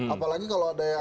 apalagi kalau ada yang